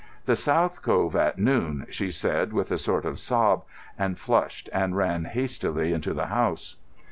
"The South Cove at noon," she said, with a sort of sob, and flushed and ran hastily into the house.